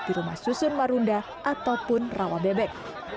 di rumah susun marunda ataupun rawa bebek